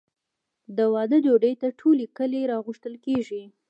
د واده ډوډۍ ته ټول کلی راغوښتل کیږي.